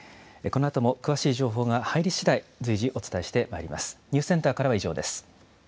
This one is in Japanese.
このあとも詳しい情報が入りしだい、随時お伝えしてまいります。